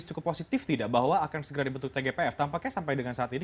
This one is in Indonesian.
cukup positif tidak bahwa akan segera dibentuk tgpf tampaknya sampai dengan saat ini